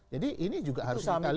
jadi ini juga harus kita lihat